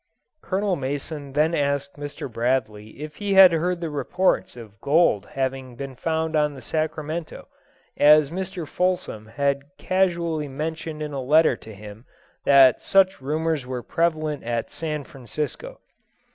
Colonel Mason then asked Mr. Bradley if he had heard the reports of gold having been found on the Sacramento, as Mr. Fulsom had casually mentioned in a letter to him that such rumours were prevalent at San Francisco.